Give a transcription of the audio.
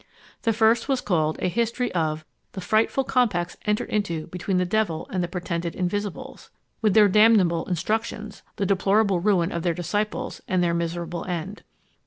The first was called a history of _The frightful Compacts entered into between the Devil and the pretended 'Invisibles;' with their damnable Instructions, the deplorable Ruin of their Disciples, and their miserable end_.